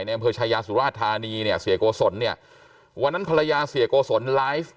อำเภอชายาสุราชธานีเนี่ยเสียโกศลเนี่ยวันนั้นภรรยาเสียโกศลไลฟ์